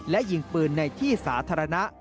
และยิงปืนในที่สาธารณะ